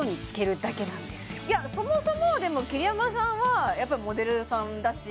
そもそもでも桐山さんはやっぱりモデルさんだし